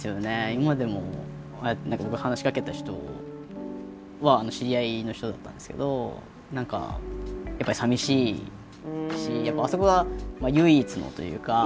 今でもああやって何か僕話しかけた人は知り合いの人だったんですけど何かやっぱり寂しいしやっぱりあそこが唯一のというか。